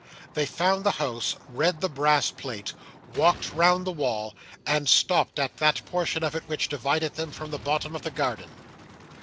They found the house, read the brass plate, walked round the wall, and stopped at that portion of it which divided them from the bottom of the garden.